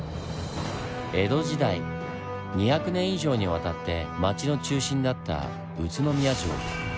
江戸時代２００年以上にわたって町の中心だった宇都宮城。